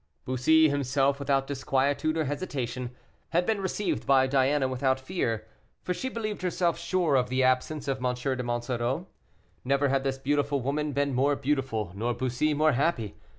Bussy, himself without disquietude or hesitation, had been received by Diana without fear, for she believed herself sure of the absence of M. de Monsoreau. Never had this beautiful woman been more beautiful, nor Bussy more happy.